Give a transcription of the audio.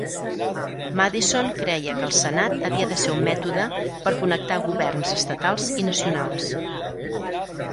Madison creia que el Senat havia de ser un mètode per connectar governs estatals i nacionals.